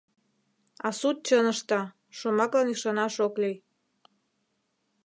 — А суд чын ышта: шомаклан ӱшанаш ок лий.